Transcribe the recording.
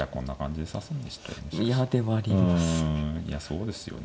うんいやそうですよね